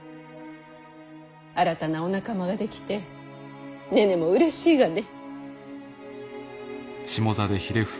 新たなお仲間が出来て寧々もうれしいがね。